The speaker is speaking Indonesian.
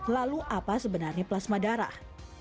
lalu apa sebenarnya plasma darah